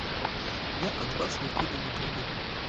Я ад вас нікуды не пайду.